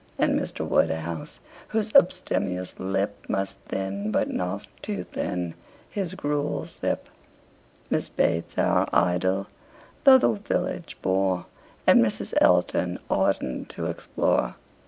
And Mr. Woodhouse, whose abstemious lip Must thin, but not too thin, his gruel sip. Miss Bates, our idol, though the village bore; And Mrs. Elton, ardent to explore.